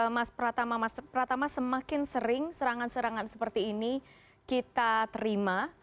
mas pratama mas pratama semakin sering serangan serangan seperti ini kita terima